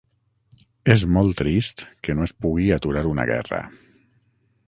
És molt trist que no es pugui aturar una guerra.